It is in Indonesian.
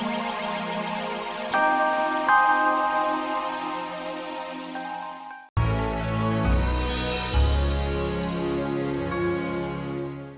jalan jalan men